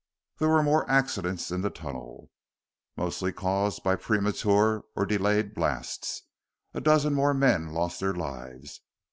There were more accidents in the tunnel, mostly caused by premature or delayed blasts. A dozen more men lost their lives.